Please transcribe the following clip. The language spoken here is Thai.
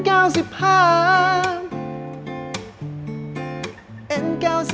อัน๙๕